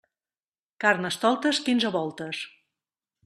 Carnestoltes, quinze voltes.